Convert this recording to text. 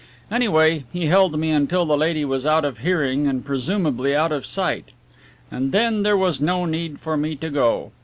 Anyway, he held me until the lady was out of hearing and presumably out of sight. And then there was no need for me to go.